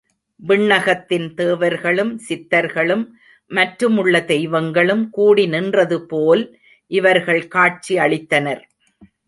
விண்ணகத்தின் தேவர்களும், சித்தர்களும், மற்றுமுள்ள தெய்வங்களும் கூடிநின்றது போல் இவர்கள் காட்சி அளித்தனர்.